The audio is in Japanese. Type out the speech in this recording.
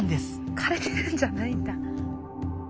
枯れてるんじゃないんだ。